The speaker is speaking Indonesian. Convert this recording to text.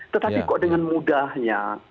tetapi kok dengan mudahnya